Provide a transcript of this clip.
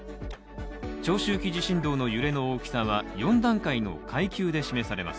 長周期地震動の揺れの大きさは４段階の階級で示されます。